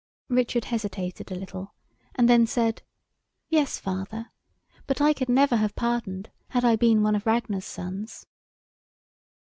Richard hesitated a little, and then said, "Yes, father, but I could never have pardoned, had I been one of Ragnar's sons."